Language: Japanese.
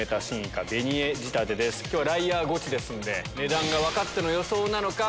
今日はライアーゴチですので値段が分かっての予想なのか？